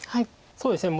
そうですね